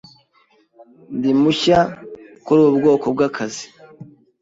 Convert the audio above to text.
Ndi mushya kuri ubu bwoko bw'akazi.